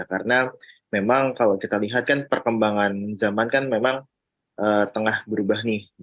karena memang kalau kita lihat kan perkembangan zaman kan memang tengah berubah nih